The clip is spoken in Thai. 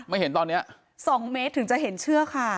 เห็นตอนเนี้ยสองเมตรถึงจะเห็นเชือกค่ะ